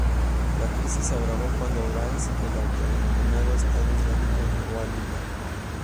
La crisis se agravó cuando Daesh, el autodenominado Estado Islámico, llegó a Libia.